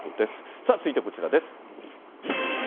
さあ、続いてこちらです。